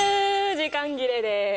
時間切れです。